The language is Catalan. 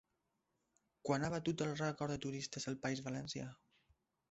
Quan ha batut el rècord de turistes el País Valencià?